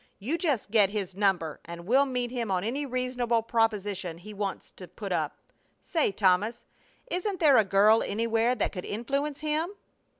You just get his number and we'll meet him on any reasonable proposition he wants to put up. Say, Thomas, isn't there a girl anywhere that could influence him?"